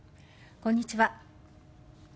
こんにちは。